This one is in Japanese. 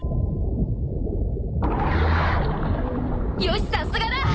よしさすがだ！